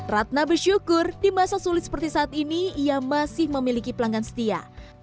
ratna bersyukur di masa sulit seperti saat ini ia masih memiliki pelanggan setia